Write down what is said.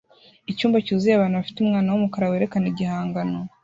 Icyumba cyuzuye abantu bafite umwana wumukara werekana igihangano